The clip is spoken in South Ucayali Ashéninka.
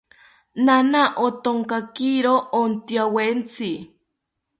Naana othonkakiro ontyawetzi